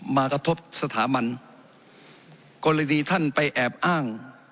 มากระทบสถาบันกรณีท่านไปแอบอ้าง